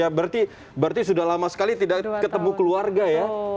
dua ribu sembilan belas ya berarti sudah lama sekali tidak ketemu keluarga ya